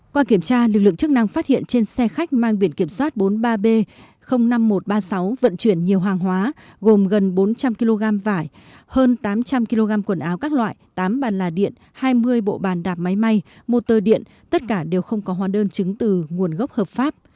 qua kiểm tra lực lượng chức năng phát hiện trên xe khách mang biển kiểm soát bốn mươi ba b năm nghìn một trăm ba mươi sáu vận chuyển nhiều hàng hóa gồm gần bốn trăm linh kg vải hơn tám trăm linh kg quần áo các loại tám bàn là điện hai mươi bộ bàn đạp máy may motor điện tất cả đều không có hóa đơn chứng từ nguồn gốc hợp pháp